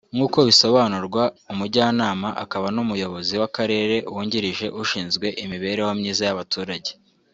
nk’ukobisobanurwa umujyanama akaba n’umuyobozi w’akarere wungiririje ushinzwe imibareho myiza y’abaturage